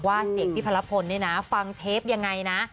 เสียงพี่พระรพลเนี่ยนะฟังเทปยังไงนะ